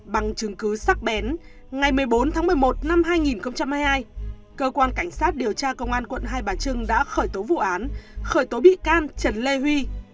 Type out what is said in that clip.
bằng chứng cứ sắc bén ngày một mươi bốn tháng một mươi một năm hai nghìn hai mươi hai cơ quan cảnh sát điều tra công an quận hai bà trưng đã khởi tố vụ án khởi tố bị can trần lê huy